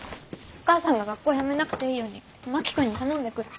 お母さんが学校辞めなくていいように真木君に頼んでくる。